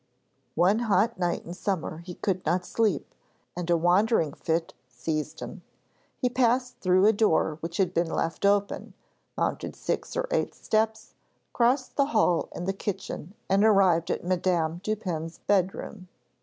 One hot night in summer he could not sleep, and a wandering fit seized him. He passed through a door which had been left open, mounted six or eight steps, crossed the hall and the kitchen and arrived at Madame Dupin's bedroom.